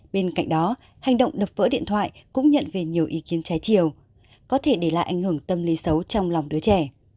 bên cạnh đó hành động đập vỡ điện thoại cũng nhận về nhiều ý kiến trái chiều có thể để lại ảnh hưởng tâm lý xấu trong lòng đứa trẻ